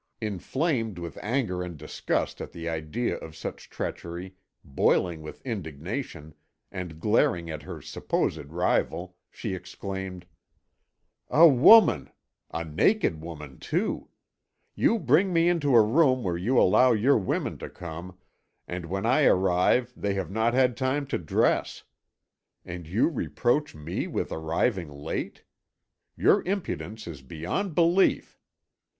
Inflamed with anger and disgust at the idea of such treachery, boiling with indignation, and glaring at her supposed rival, she exclaimed: "A woman ... a naked woman too! You bring me into a room where you allow your women to come, and when I arrive they have not had time to dress. And you reproach me with arriving late! Your impudence is beyond belief!